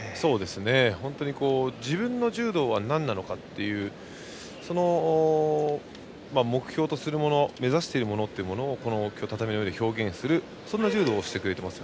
本当に自分の柔道はなんなのかというその目標とするもの目指しているものをこの畳の上で表現するそんな柔道をしてくれると思います。